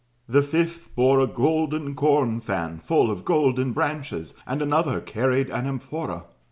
The fifth bore a golden corn fan, full of golden branches, and another carried an amphora.